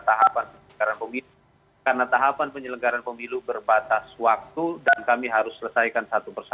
tahapan pemilu karena tahapan penyelenggaran pemilu berbatas waktu dan kami harus selesaikan satu persatu